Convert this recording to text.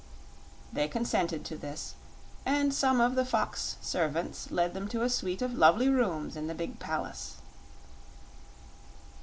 They consented to this, and some of the fox servants led them to a suite of lovely rooms in the big palace.